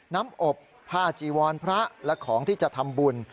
น้ำอบผ้าจีวรพระและของที่จะทำบุญ